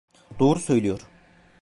Doğru söylüyor.